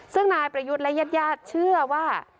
ซึ่งนายประยุทธ์และญาติญาติเชื่อว่า